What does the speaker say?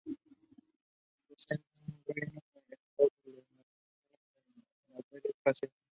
Representa al Reino Unido en todas las negociaciones en materia espacial.